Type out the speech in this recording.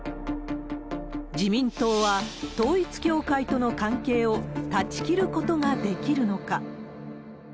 自民党は統一教会との関係を断ち切ることができるのか。